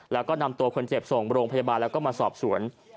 แล้วก็นำตัวคนเจ็บส่งโรงพยาบาลแล้วก็มาสอบสวน